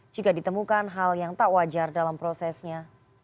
jika ditemukan hal yang tak wajar dalam prosesnya